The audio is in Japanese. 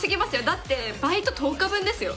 だってバイト１０日分ですよ